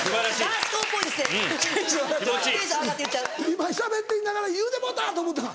今しゃべっていながら言うてもうた！と思ったん？